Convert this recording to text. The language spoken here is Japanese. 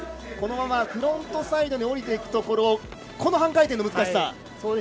このままフロントサイドに降りていくところでこの半回転の難しさ。